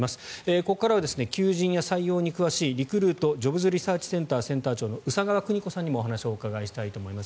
ここからは求人や採用に詳しいリクルートジョブズリサーチセンターセンター長の宇佐川邦子さんにもお話をお伺いしたいと思います。